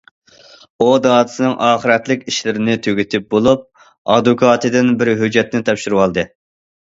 ئۇ دادىسىنىڭ ئاخىرەتلىك ئىشلىرىنى تۈگىتىپ بولۇپ، ئادۋوكاتىدىن بىر ھۆججەتنى تاپشۇرۇۋالدى.